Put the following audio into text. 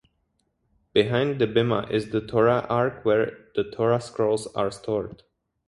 Behind the Bimah is the Torah ark where the Torah scrolls are stored.